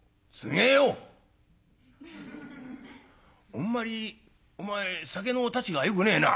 「あんまりお前酒のたちがよくねえな」。